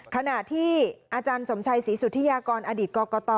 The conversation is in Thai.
ขณะที่อาจารย์สมชัยศรีสุธิยากรอดีตกรกต